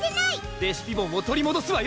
レシピボンを取りもどすわよ！